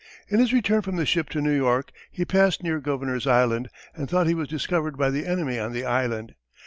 In his return from the ship to New York he passed near Governor's Island, and thought he was discovered by the enemy on the island.